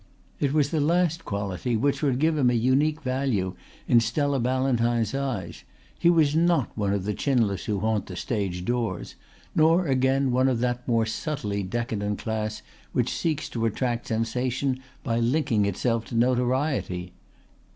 It was the last quality which would give him a unique value in Stella Ballantyne's eyes. He was not one of the chinless who haunt the stage doors; nor again one of that more subtly decadent class which seeks to attract sensation by linking itself to notoriety.